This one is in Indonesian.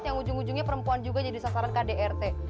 yang ujung ujungnya perempuan juga jadi sasaran kdrt